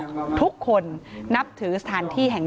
การแก้เคล็ดบางอย่างแค่นั้นเอง